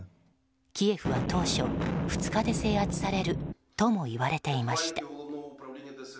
キエフは当初２日で制圧されるとも言われていました。